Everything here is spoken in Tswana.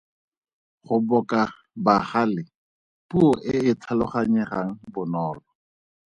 Go boka bagale Puo e e tlhaloganyegang bonolo.